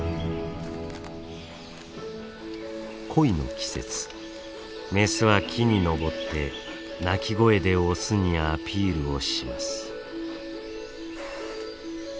恋の季節メスは木に登って鳴き声でオスにアピールをします。